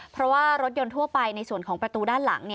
เพราะว่ารถยนต์ทั่วไปในส่วนของประตูด้านหลัง